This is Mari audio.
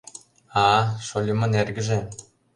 — А-а, шольымын эргыже!